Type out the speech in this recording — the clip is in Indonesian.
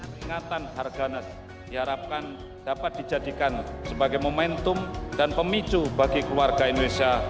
peringatan harganas diharapkan dapat dijadikan sebagai momentum dan pemicu bagi keluarga indonesia